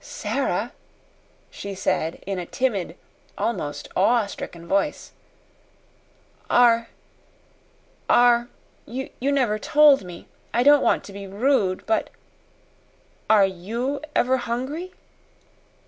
"Sara," she said in a timid, almost awe stricken voice, "are are you never told me I don't want to be rude, but are YOU ever hungry?"